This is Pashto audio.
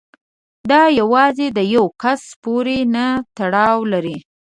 دا یوازې د یو کس پورې نه تړاو لري.